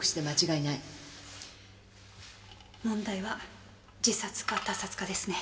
問題は自殺か他殺かですね。